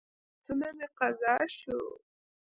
ټول لمونځونه مې قضا شوه.